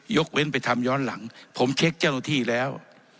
ยกเว้นไปทำย้อนหลังผมเช็คเจ้าหน้าที่แล้ว